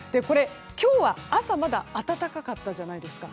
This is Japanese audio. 今日は朝まだ暖かかったじゃないですか。